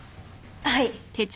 はい。